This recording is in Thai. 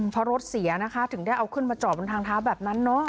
เพราะรถเสียนะคะถึงได้เอาขึ้นมาจอดบนทางเท้าแบบนั้นเนอะ